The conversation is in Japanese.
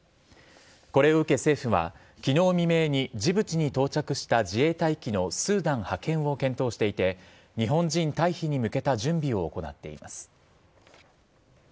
これを受け政府は、きのう未明にジブチに到着した自衛隊機のスーダン派遣を検討していて、日本人退避に向けた準備を行っています。